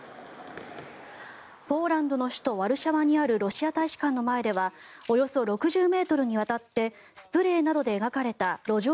ポーランドの首都ワルシャワにあるロシア大使館の前ではおよそ６０ｍにわたってスプレーなどで描かれた路上